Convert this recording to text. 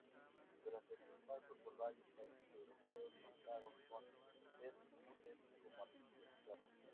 Durante su paso por varios países europeos contaron con Ted Nugent como artista invitado.